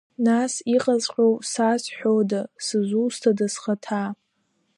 Нас иҟаҵәҟьоу сазҳәода, сызусҭада схаҭа?